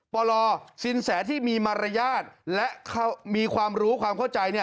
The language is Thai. ปลสินแสที่มีมารยาทและมีความรู้ความเข้าใจ